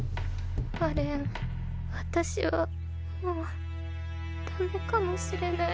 アレン私はもうダメかもしれない。